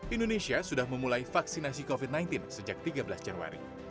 indonesia sudah memulai vaksinasi covid sembilan belas sejak tiga belas januari